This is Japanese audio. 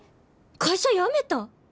会社辞めた！？